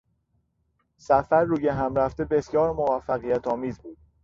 سفر رویهم رفته بسیار موفقیتآمیز بود.